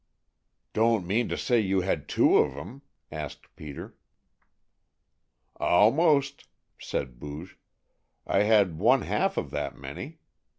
"Don't mean to say you had two of 'em?" asked Peter. "Almost," said Booge. "I had one half of that many.